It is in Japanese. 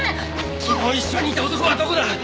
昨日一緒にいた男はどこだ！？